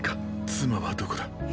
妻はどこだ。